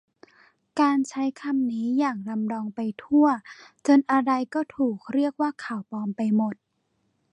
การใช้คำนี้อย่างลำลองไปทั่ว จนอะไรก็ถูกเรียกว่าข่าวปลอมไปหมด